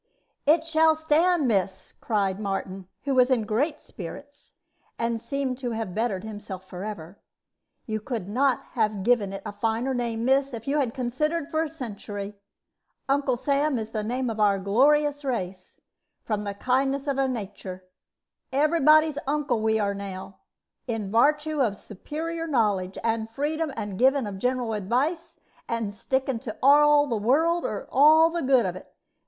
"It shall stand, miss," cried Martin, who was in great spirits, and seemed to have bettered himself forever. "You could not have given it a finer name, miss, if you had considered for a century. Uncle Sam is the name of our glorious race, from the kindness of our natur'. Every body's uncle we are now, in vartue of superior knowledge, and freedom, and giving of general advice, and stickin' to all the world, or all the good of it.